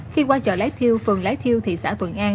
khi qua chợ lái thiêu phường lái thiêu thị xã thuận an